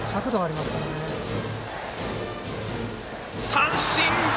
三振！